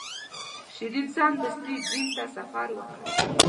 شیرین سمدستي جنین ته سفر وکړ.